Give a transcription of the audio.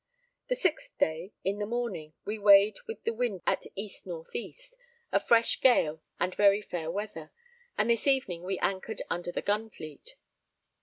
The 6th day, in the morning, we weighed with the wind at east north east, a fresh gale and very fair weather, and this evening we anchored under the Gunfleet.